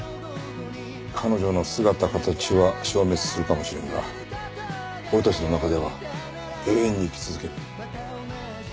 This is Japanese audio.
彼女の姿形は消滅するかもしれんが俺たちの中では永遠に生き続ける。